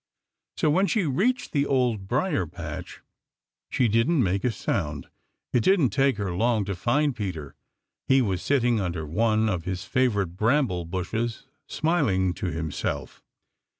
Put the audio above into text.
So when she reached the Old Briar patch, she didn't make a sound. It didn't take her long to find Peter. He was sitting under one of his favorite bramble bushes smiling to himself.